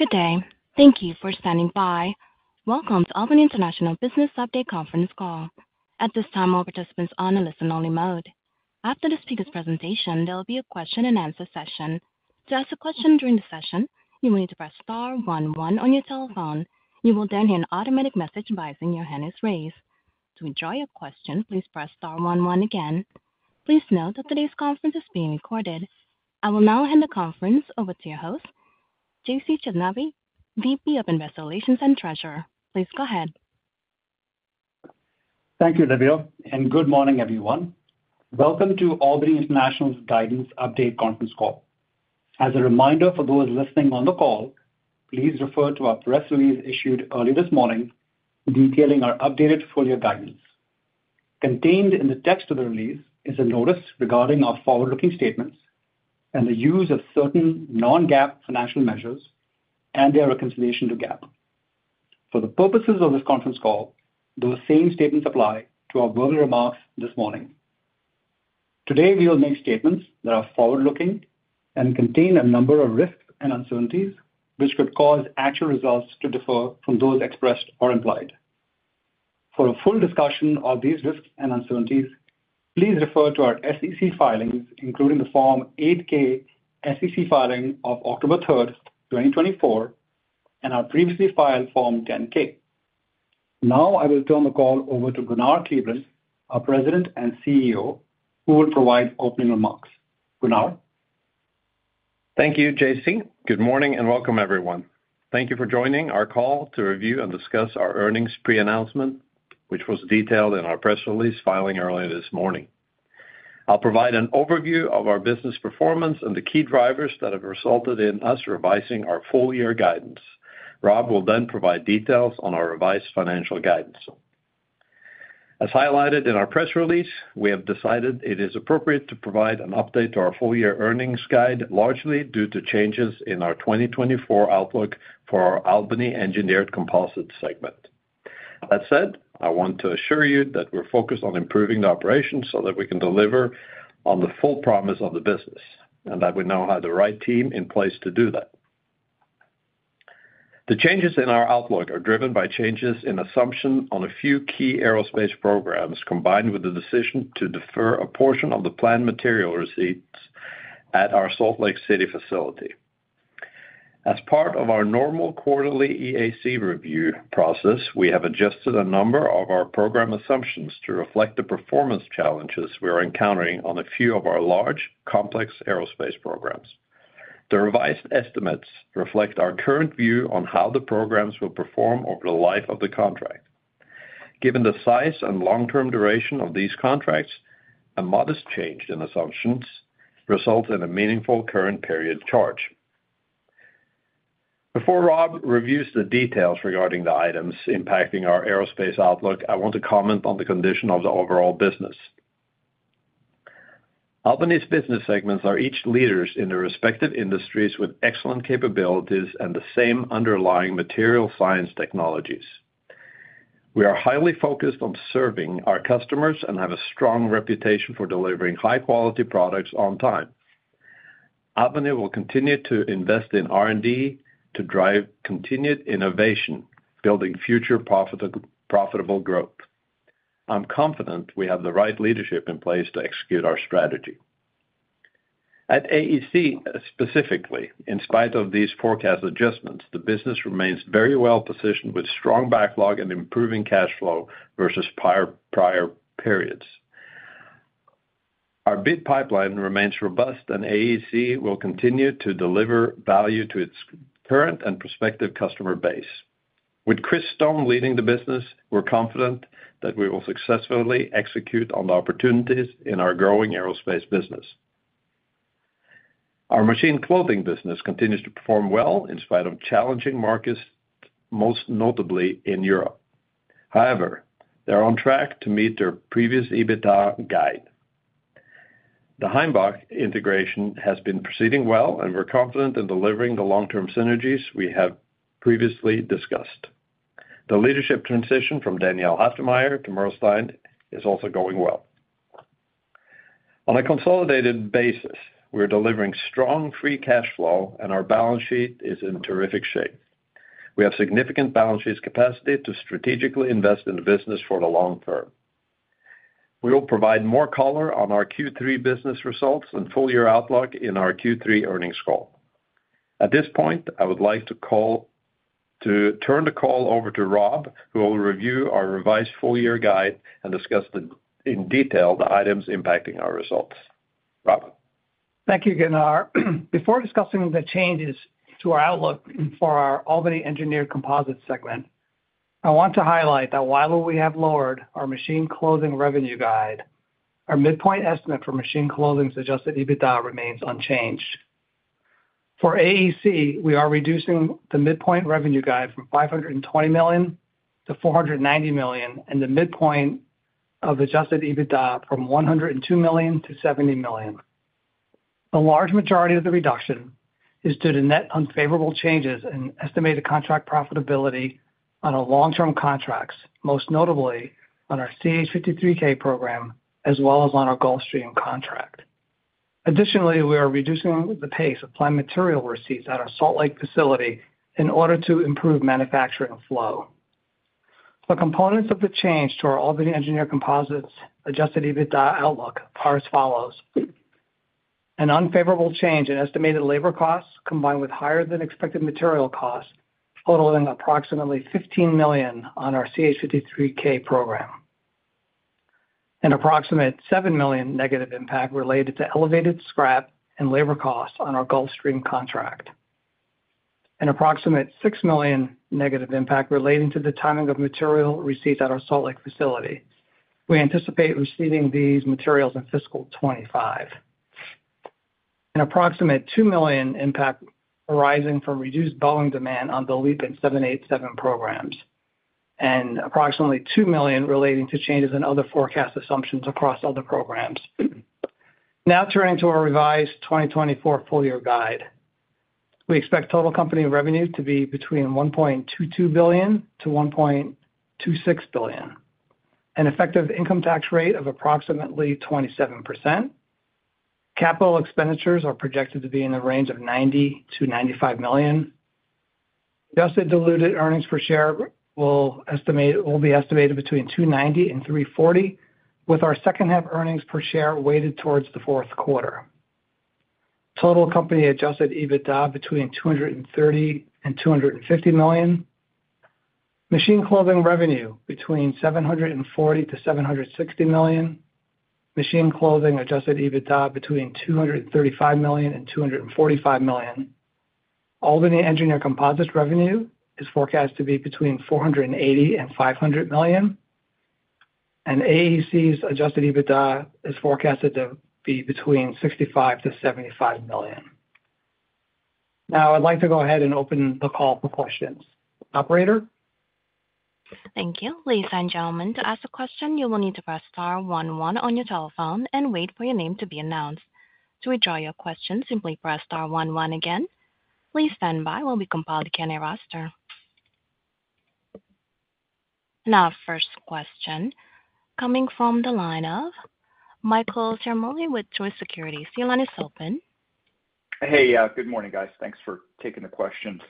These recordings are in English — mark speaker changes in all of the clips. Speaker 1: Good day. Thank you for standing by. Welcome to Albany International Business Update Conference Call. At this time, all participants are on a listen-only mode. After the speaker's presentation, there will be a question-and-answer session. To ask a question during the session, you will need to press star one one on your telephone. You will then hear an automatic message advising your hand is raised. To withdraw your question, please press star one one again. Please note that today's conference is being recorded. I will now hand the conference over to your host, JC Chetnani, VP of Investor Relations and Treasurer. Please go ahead.
Speaker 2: Thank you, Livia, and good morning, everyone. Welcome to Albany International's Guidance Update conference call. As a reminder for those listening on the call, please refer to our press release issued early this morning, detailing our updated full-year guidance. Contained in the text of the release is a notice regarding our forward-looking statements and the use of certain Non-GAAP financial measures and their reconciliation to GAAP. For the purposes of this conference call, those same statements apply to our verbal remarks this morning. Today, we will make statements that are forward-looking and contain a number of risks and uncertainties, which could cause actual results to differ from those expressed or implied. For a full discussion of these risks and uncertainties, please refer to our SEC filings, including the Form 8-K SEC filing of October 3rd, 2024, and our previously filed Form 10-K. Now, I will turn the call over to Gunnar Hovland, our President and CEO, who will provide opening remarks. Gunnar?
Speaker 3: Thank you, JC. Good morning, and welcome, everyone. Thank you for joining our call to review and discuss our earnings pre-announcement, which was detailed in our press release filing earlier this morning. I'll provide an overview of our business performance and the key drivers that have resulted in us revising our full-year guidance. Rob will then provide details on our revised financial guidance. As highlighted in our press release, we have decided it is appropriate to provide an update to our full-year earnings guide, largely due to changes in our 2024 outlook for our Albany Engineered Composites segment. That said, I want to assure you that we're focused on improving the operations so that we can deliver on the full promise of the business, and that we now have the right team in place to do that. The changes in our outlook are driven by changes in assumptions on a few key aerospace programs, combined with the decision to defer a portion of the planned material receipts at our Salt Lake City facility. As part of our normal quarterly EAC review process, we have adjusted a number of our program assumptions to reflect the performance challenges we are encountering on a few of our large, complex aerospace programs. The revised estimates reflect our current view on how the programs will perform over the life of the contract. Given the size and long-term duration of these contracts, a modest change in assumptions results in a meaningful current period charge. Before Rob reviews the details regarding the items impacting our aerospace outlook, I want to comment on the condition of the overall business. Albany's business segments are each leaders in their respective industries with excellent capabilities and the same underlying material science technologies. We are highly focused on serving our customers and have a strong reputation for delivering high-quality products on time. Albany will continue to invest in R&D to drive continued innovation, building future profitable growth. I'm confident we have the right leadership in place to execute our strategy. At AEC, specifically, in spite of these forecast adjustments, the business remains very well-positioned with strong backlog and improving cash flow versus prior periods. Our bid pipeline remains robust, and AEC will continue to deliver value to its current and prospective customer base. With Chris Stone leading the business, we're confident that we will successfully execute on the opportunities in our growing aerospace business. Our Machine Clothing business continues to perform well in spite of challenging markets, most notably in Europe. However, they're on track to meet their previous EBITDA guide. The Heimbach integration has been proceeding well, and we're confident in delivering the long-term synergies we have previously discussed. The leadership transition from Daniel Halftermeyer to Merle Stein is also going well. On a consolidated basis, we're delivering strong free cash flow, and our balance sheet is in terrific shape. We have significant balance sheet capacity to strategically invest in the business for the long term. We will provide more color on our Q3 business results and full-year outlook in our Q3 earnings call. At this point, I would like to turn the call over to Rob, who will review our revised full-year guide and discuss in detail the items impacting our results. Rob?
Speaker 4: Thank you, Gunnar. Before discussing the changes to our outlook for our Albany Engineered Composites segment, I want to highlight that while we have lowered our Machine Clothing revenue guide, our midpoint estimate for Machine Clothing's Adjusted EBITDA remains unchanged. For AEC, we are reducing the midpoint revenue guide from $520 million to $490 million, and the midpoint of Adjusted EBITDA from $102 million to $70 million. A large majority of the reduction is due to net unfavorable changes in estimated contract profitability on our long-term contracts, most notably on our CH-53K program, as well as on our Gulfstream contract. Additionally, we are reducing the pace of planned material receipts at our Salt Lake City facility in order to improve manufacturing flow. The components of the change to our Albany Engineered Composites Adjusted EBITDA outlook are as follows: An unfavorable change in estimated labor costs, combined with higher than expected material costs, totaling approximately $15 million on our CH-53K program. An approximate $7 million negative impact related to elevated scrap and labor costs on our Gulfstream contract. An approximate $6 million negative impact relating to the timing of material receipts at our Salt Lake facility. We anticipate receiving these materials in fiscal 2025. An approximate $2 million impact arising from reduced Boeing demand on the LEAP and 787 programs, and approximately $2 million relating to changes in other forecast assumptions across other programs. Now turning to our revised 2024 full-year guide. We expect total company revenue to be between $1.22 billion to $1.26 billion. An effective income tax rate of approximately 27%. Capital expenditures are projected to be in the range of $90-$95 million. Adjusted Diluted Earnings Per Share will be estimated between $2.90 and $3.40, with our second half earnings per share weighted towards the fourth quarter. Total company Adjusted EBITDA between $230 and $250 million. Machine Clothing revenue between $740 and $760 million. Machine Clothing Adjusted EBITDA between $235 and $245 million. Albany Engineered Composites revenue is forecast to be between $480 and $500 million, and AEC's Adjusted EBITDA is forecasted to be between $65-$75 million. Now, I'd like to go ahead and open the call for questions. Operator?
Speaker 1: Thank you. Ladies and gentlemen, to ask a question, you will need to press star one one on your telephone and wait for your name to be announced. To withdraw your question, simply press star one one again. Please stand by while we compile the attendee roster. Now, first question coming from the line of Michael Ciarmoli with Jefferies. Your line is open.
Speaker 5: Hey, good morning, guys. Thanks for taking the questions.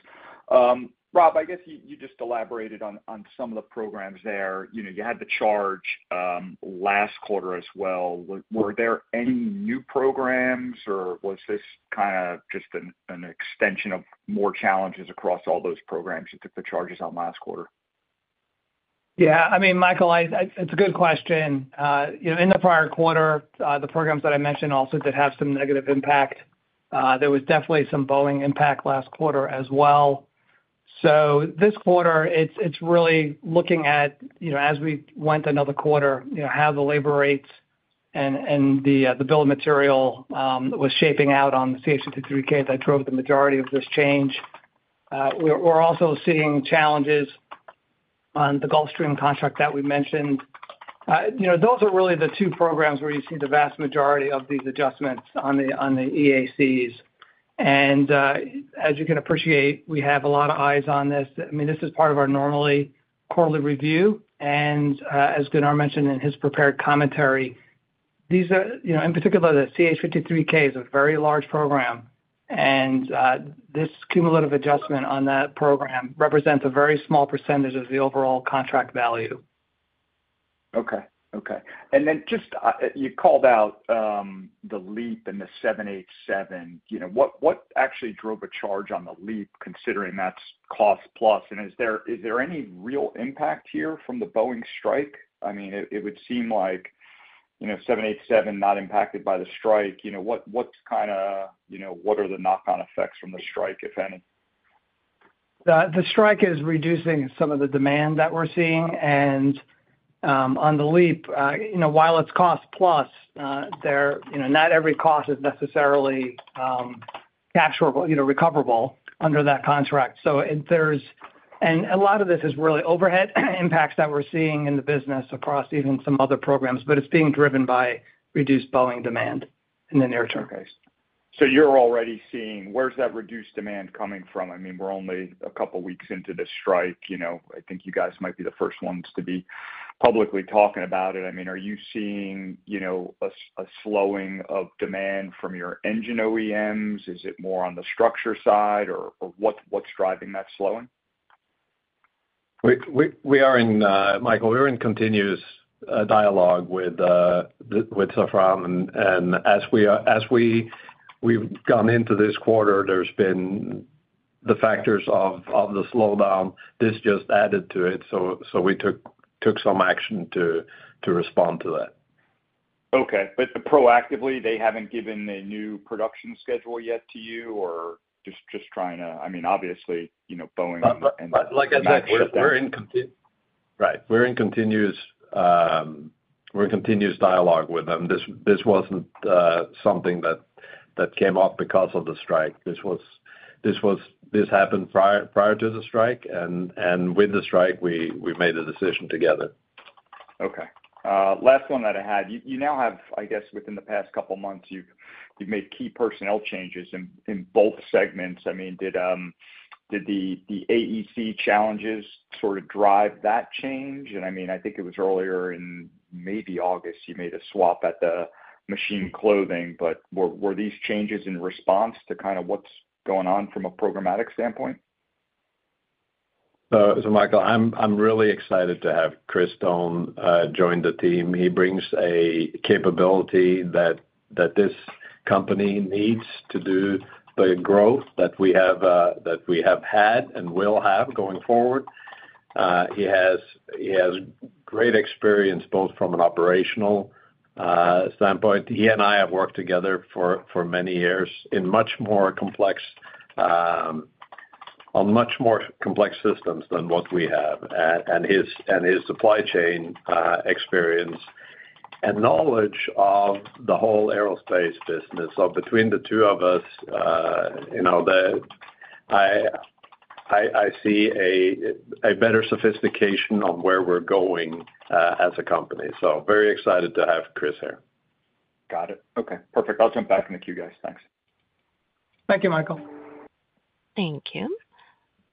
Speaker 5: Rob, I guess you just elaborated on some of the programs there. You know, you had the charge last quarter as well. Were there any new programs or was this kind of just an extension of more challenges across all those programs you took the charges on last quarter?
Speaker 4: Yeah, I mean, Michael, it's a good question. You know, in the prior quarter, the programs that I mentioned also did have some negative impact. There was definitely some Boeing impact last quarter as well. So this quarter, it's really looking at, you know, as we went another quarter, you know, how the labor rates and the bill of material was shaping out on the CH-53K that drove the majority of this change. We're also seeing challenges on the Gulfstream contract that we mentioned. You know, those are really the two programs where you've seen the vast majority of these adjustments on the EACs. And, as you can appreciate, we have a lot of eyes on this. I mean, this is part of our normally quarterly review, and, as Gunnar mentioned in his prepared commentary, these are, you know, in particular, the CH-53K is a very large program, and, this cumulative adjustment on that program represents a very small percentage of the overall contract value.
Speaker 5: Okay. Okay. And then just, you called out the LEAP and the 787. You know, what actually drove a charge on the LEAP, considering that's cost plus? And is there any real impact here from the Boeing strike? I mean, it would seem like, you know, 787 not impacted by the strike. You know, what's kind of, you know, what are the knock-on effects from the strike, if any?
Speaker 4: The strike is reducing some of the demand that we're seeing. And on the LEAP, you know, while it's cost plus, you know, not every cost is necessarily cashable, you know, recoverable under that contract. So there's... And a lot of this is really overhead impacts that we're seeing in the business across even some other programs, but it's being driven by reduced Boeing demand in the near term.
Speaker 5: Okay. So you're already seeing where's that reduced demand coming from? I mean, we're only a couple of weeks into the strike. You know, I think you guys might be the first ones to be publicly talking about it. I mean, are you seeing, you know, a slowing of demand from your engine OEMs? Is it more on the structure side, or, or what, what's driving that slowing?
Speaker 3: We are in, Michael, we're in continuous dialogue with Safran, and as we've gone into this quarter, there's been the factors of the slowdown. This just added to it, so we took some action to respond to that.
Speaker 5: Okay, but proactively, they haven't given a new production schedule yet to you or just trying to... I mean, obviously, you know, Boeing-
Speaker 3: Like I said, we're in continuous dialogue with them. Right. This wasn't something that came up because of the strike. This happened prior to the strike, and with the strike, we made a decision together.
Speaker 5: Okay. Last one that I had: You now have, I guess, within the past couple of months, you've made key personnel changes in both segments. I mean, did the AEC challenges sort of drive that change? And, I mean, I think it was earlier in maybe August, you made a swap at the Machine Clothing, but were these changes in response to kind of what's going on from a programmatic standpoint?
Speaker 3: So Michael, I'm really excited to have Chris Stone join the team. He brings a capability that this company needs to do the growth that we have had and will have going forward. He has great experience, both from an operational standpoint. He and I have worked together for many years in much more complex systems than what we have, and his supply chain experience and knowledge of the whole aerospace business. So between the two of us, you know, I see a better sophistication on where we're going as a company. So very excited to have Chris here.
Speaker 5: Got it. Okay, perfect. I'll jump back in the queue, guys. Thanks.
Speaker 4: Thank you, Michael.
Speaker 1: Thank you.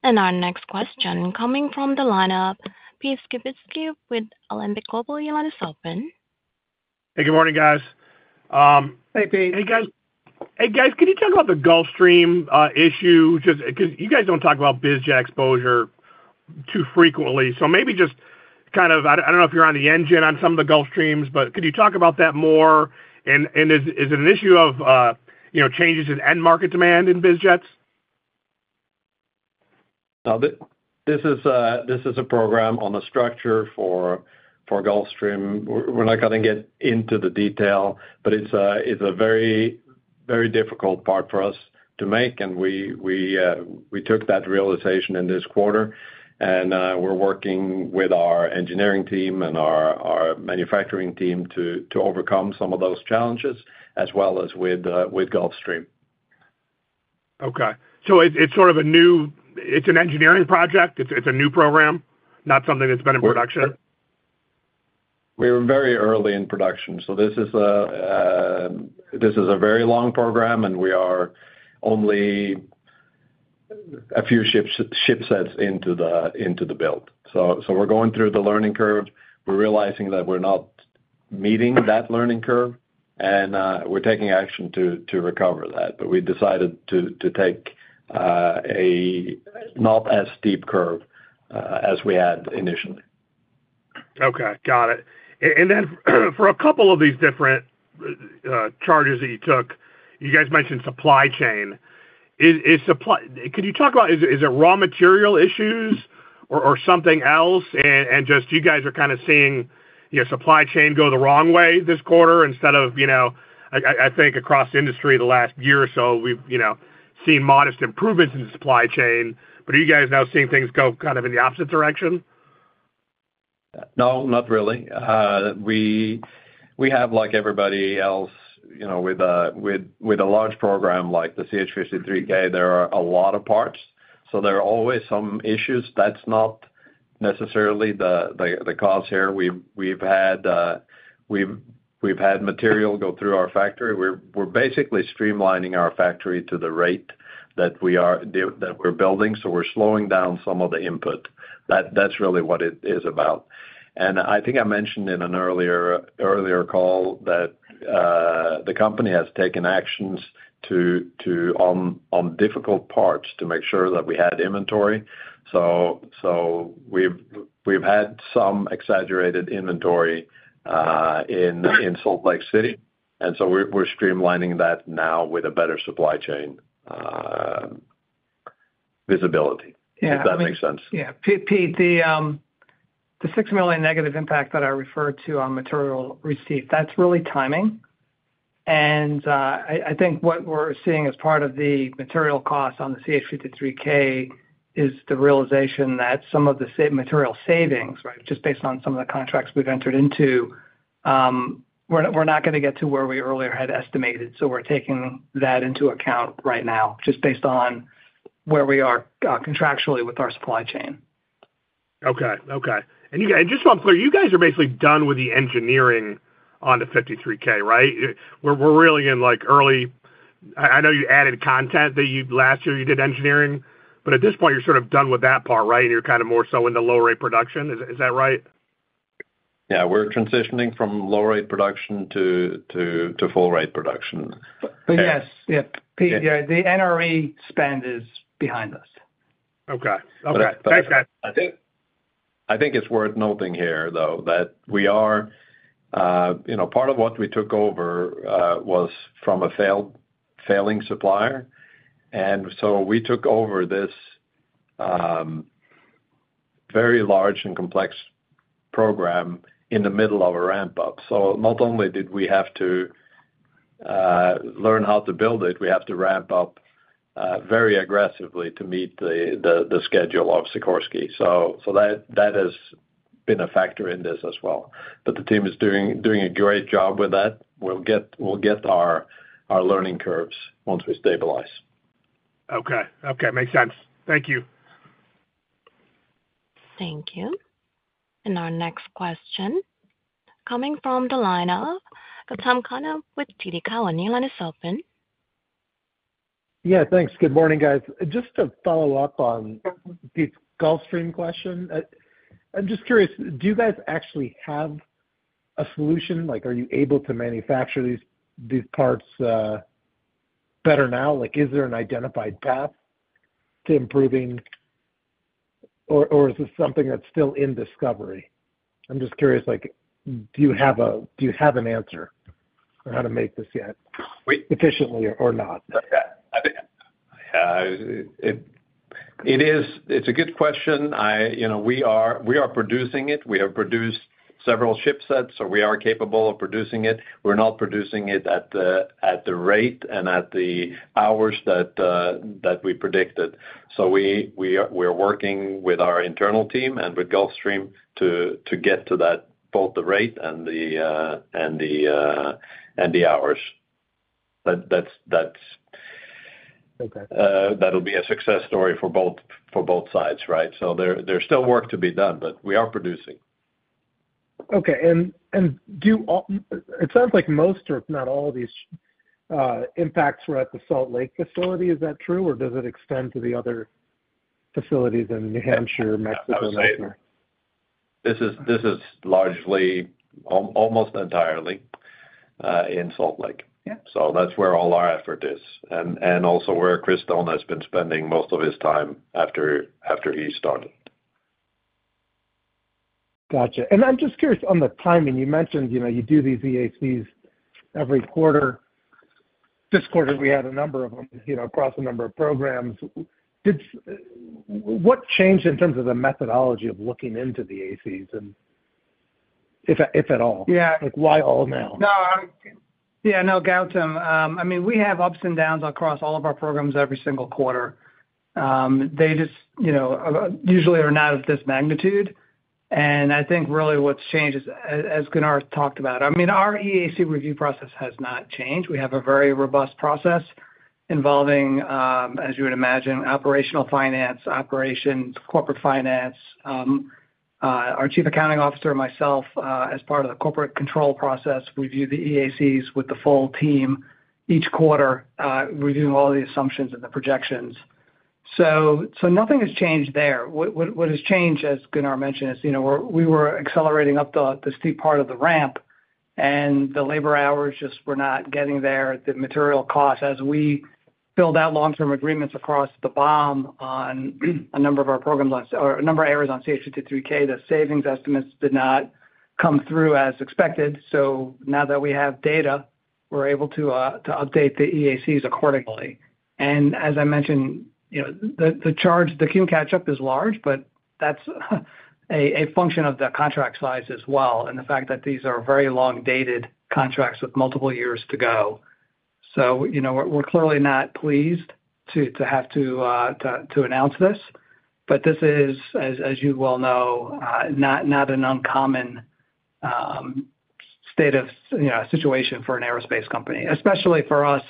Speaker 1: And our next question coming from the lineup, Pete Skibitski with Alembic Global. Your line is open.
Speaker 6: Hey, good morning, guys.
Speaker 4: Hey, Pete.
Speaker 6: Hey, guys. Hey, guys, can you talk about the Gulfstream issue? Just 'cause you guys don't talk about bizjet exposure too frequently. So maybe just kind of, I don't know if you're on the engine on some of the Gulfstreams, but could you talk about that more? And is it an issue of, you know, changes in end market demand in biz jets?
Speaker 3: No, this is a program on the structure for Gulfstream. We're not gonna get into the detail, but it's a very, very difficult part for us to make, and we took that realization in this quarter, and we're working with our engineering team and our manufacturing team to overcome some of those challenges, as well as with Gulfstream.
Speaker 6: Okay, so it's sort of a new engineering project. It's a new program, not something that's been in production?
Speaker 3: We're very early in production, so this is a very long program, and we are only a few ship sets into the build. So we're going through the learning curve. We're realizing that we're not meeting that learning curve, and we're taking action to recover that. But we decided to take a not as steep curve as we had initially.
Speaker 6: Okay, got it. And then for a couple of these different charges that you took, you guys mentioned supply chain. Could you talk about, is it raw material issues or something else? And just you guys are kind of seeing, you know, supply chain go the wrong way this quarter instead of, you know, I think across the industry the last year or so, we've, you know, seen modest improvements in the supply chain, but are you guys now seeing things go kind of in the opposite direction?
Speaker 3: No, not really. We have, like everybody else, you know, with a large program like the CH-53K, there are a lot of parts, so there are always some issues. That's not necessarily the cause here. We've had material go through our factory. We're basically streamlining our factory to the rate that we're building, so we're slowing down some of the input. That's really what it is about, and I think I mentioned in an earlier call that the company has taken actions to own difficult parts to make sure that we had inventory. So we've had some exaggerated inventory in Salt Lake City, and so we're streamlining that now with a better supply chain visibility.
Speaker 4: Yeah...
Speaker 3: if that makes sense.
Speaker 4: Yeah. Pete, the $6 million negative impact that I referred to on material received, that's really timing. And, I think what we're seeing as part of the material cost on the CH-53K is the realization that some of the material savings, right, just based on some of the contracts we've entered into, we're not gonna get to where we earlier had estimated. So we're taking that into account right now, just based on where we are, contractually with our supply chain.
Speaker 6: Okay, okay. And you guys, just so I'm clear, you guys are basically done with the engineering on the CH-53K, right? We're really in, like, early... I know you added content that you-- last year you did engineering, but at this point, you're sort of done with that part, right? And you're kind of more so in the low-rate production. Is that right?
Speaker 3: Yeah, we're transitioning from low-rate production to full-rate production.
Speaker 4: But yes. Yep, Pete, yeah, the NRE spend is behind us.
Speaker 6: Okay. Okay. Thanks, guys.
Speaker 3: I think, I think it's worth noting here, though, that we are, you know, part of what we took over was from a failed, failing supplier, and so we took over this, very large and complex program in the middle of a ramp-up. So not only did we have to learn how to build it, we have to ramp up very aggressively to meet the schedule of Sikorsky. So that has been a factor in this as well. But the team is doing a great job with that. We'll get our learning curves once we stabilize.
Speaker 6: Okay. Okay, makes sense. Thank you.
Speaker 1: Thank you. And our next question coming from the line of Gautam Khanna with TD Cowen. Your line is open.
Speaker 7: Yeah, thanks. Good morning, guys. Just to follow up on Pete's Gulfstream question, I'm just curious, do you guys actually have a solution? Like, are you able to manufacture these parts better now? Like, is there an identified path to improving, or is this something that's still in discovery? I'm just curious, like, do you have an answer on how to make this yet efficiently or not?
Speaker 3: Yeah, I think it is. It's a good question. I, you know, we are producing it. We have produced several ship sets, so we are capable of producing it. We're not producing it at the rate and the hours that we predicted. So we're working with our internal team and with Gulfstream to get to that, both the rate and the hours. But that's.
Speaker 7: Okay.
Speaker 3: That'll be a success story for both, for both sides, right? So there, there's still work to be done, but we are producing.
Speaker 7: Okay. And do you? It sounds like most, if not all of these impacts were at the Salt Lake facility. Is that true, or does it extend to the other facilities in New Hampshire, Mexico?
Speaker 3: This is largely almost entirely in Salt Lake.
Speaker 7: Yeah.
Speaker 3: So that's where all our effort is, and also where Chris Stone has been spending most of his time after he started.
Speaker 7: Gotcha. And I'm just curious on the timing. You mentioned, you know, you do these EACs every quarter. This quarter, we had a number of them, you know, across a number of programs. What changed in terms of the methodology of looking into the EACs and if at all?
Speaker 4: Yeah.
Speaker 7: Like, why all now?
Speaker 4: No, yeah, no, Gautam, I mean, we have ups and downs across all of our programs every single quarter. They just, you know, usually are not of this magnitude, and I think really what's changed is, as Gunnar talked about, I mean, our EAC review process has not changed. We have a very robust process involving, as you would imagine, operational finance, operations, corporate finance. Our Chief Accounting Officer, myself, as part of the corporate control process, we review the EACs with the full team each quarter, reviewing all the assumptions and the projections. So nothing has changed there. What has changed, as Gunnar mentioned, is, you know, we were accelerating up the steep part of the ramp, and the labor hours just were not getting there. The material costs, as we build out long-term agreements across the BOM on a number of areas on CH-53K, the savings estimates did not come through as expected. So now that we have data, we're able to to update the EACs accordingly. And as I mentioned, you know, the, the charge, the catch-up is large, but that's a, a function of the contract size as well, and the fact that these are very long-dated contracts with multiple years to go. So, you know, we're, we're clearly not pleased to to have to to announce this, but this is, as, as you well know, not, not an uncommon, state of, you know, situation for an aerospace company. Especially for us,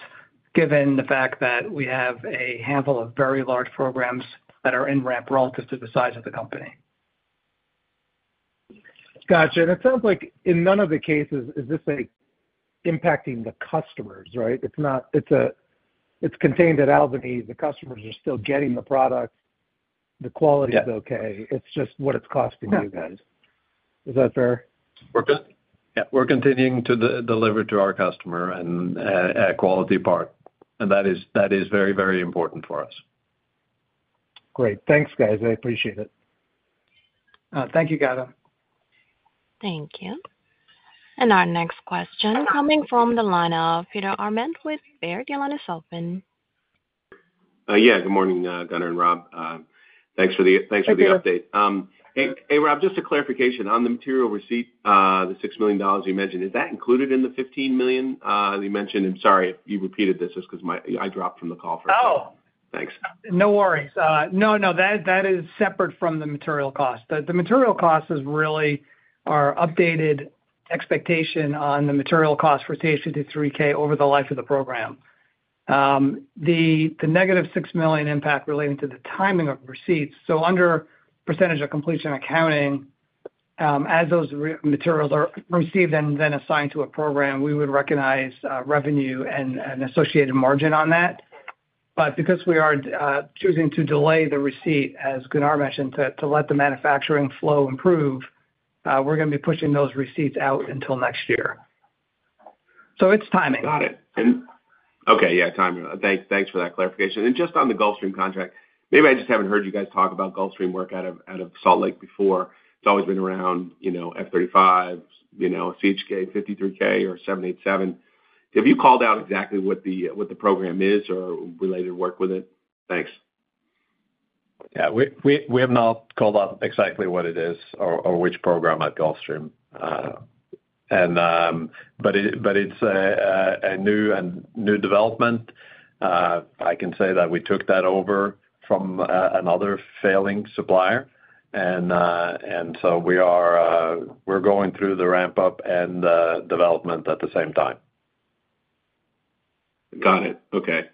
Speaker 4: given the fact that we have a handful of very large programs that are in ramp relative to the size of the company.
Speaker 7: Gotcha. And it sounds like in none of the cases is this, like, impacting the customers, right? It's not. It's a, it's contained at Albany. The customers are still getting the product.
Speaker 4: Yeah.
Speaker 7: The quality is okay. It's just what it's costing you guys. Is that fair?
Speaker 3: Yeah, we're continuing to deliver to our customer and a quality part, and that is very, very important for us.
Speaker 7: Great. Thanks, guys. I appreciate it.
Speaker 4: Thank you, Gautam.
Speaker 1: Thank you, and our next question coming from the line of Peter Arment with Baird. Your line is open.
Speaker 8: Yeah, good morning, Gunnar and Rob. Thanks for the update.
Speaker 4: Hey, Peter.
Speaker 8: Hey, Rob, just a clarification. On the material receipt, the $6 million you mentioned, is that included in the $15 million you mentioned? Sorry if you repeated this, just because I dropped from the call for a second.
Speaker 4: Oh!
Speaker 8: Thanks.
Speaker 4: No worries. No, no, that, that is separate from the material cost. The, the material cost is really our updated expectation on the material cost for CH-53K over the life of the program. The, the negative $6 million impact relating to the timing of receipts, so under percentage of completion accounting, as those materials are received and then assigned to a program, we would recognize, revenue and, and associated margin on that. But because we are, choosing to delay the receipt, as Gunnar mentioned, to, to let the manufacturing flow improve, we're gonna be pushing those receipts out until next year. So it's timing.
Speaker 8: Got it. And okay, yeah, timing. Thanks, thanks for that clarification. And just on the Gulfstream contract, maybe I just haven't heard you guys talk about Gulfstream work out of Salt Lake before. It's always been around, you know, F-35s, you know, CH-53K or 787. Have you called out exactly what the program is or related work with it? Thanks.
Speaker 3: Yeah, we have not called out exactly what it is or which program at Gulfstream, but it's a new development. I can say that we took that over from another failing supplier, and so we're going through the ramp-up and development at the same time.
Speaker 8: Got it. Okay.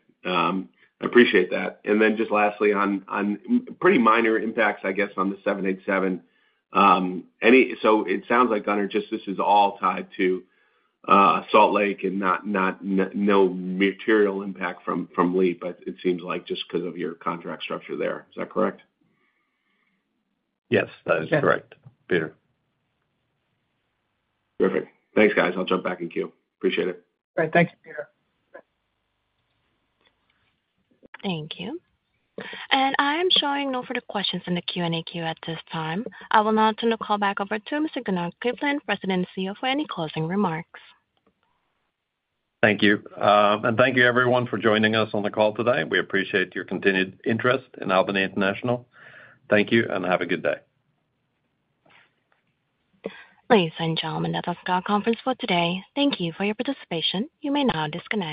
Speaker 8: Appreciate that. And then just lastly on pretty minor impacts, I guess, on the 787, any. So it sounds like, Gunnar, just this is all tied to Salt Lake and not no material impact from LEAP, but it seems like just because of your contract structure there. Is that correct?
Speaker 3: Yes, that is correct.
Speaker 4: Yeah...
Speaker 3: Peter.
Speaker 8: Perfect. Thanks, guys. I'll jump back in queue. Appreciate it.
Speaker 4: All right. Thank you, Peter.
Speaker 1: Thank you. I am showing no further questions in the Q&A queue at this time. I will now turn the call back over to Mr. Gunnar Hovland, President and CEO, for any closing remarks.
Speaker 3: Thank you, and thank you everyone for joining us on the call today. We appreciate your continued interest in Albany International. Thank you, and have a good day.
Speaker 1: Ladies and gentlemen, that is our conference for today. Thank you for your participation. You may now disconnect.